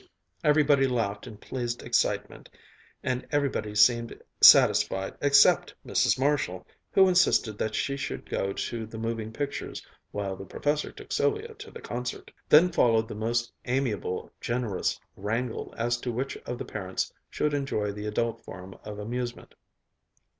Everybody laughed in pleased excitement and everybody seemed satisfied except Mrs. Marshall, who insisted that she should go to the moving pictures while the Professor took Sylvia to the concert. Then followed the most amiable, generous wrangle as to which of the parents should enjoy the adult form of amusement.